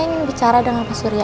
ingin bicara dengan mbak surya